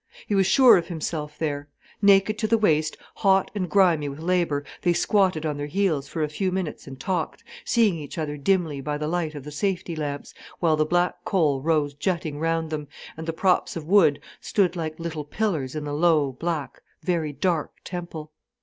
He was sure of himself there. Naked to the waist, hot and grimy with labour, they squatted on their heels for a few minutes and talked, seeing each other dimly by the light of the safety lamps, while the black coal rose jutting round them, and the props of wood stood like little pillars in the low, black, very dark temple.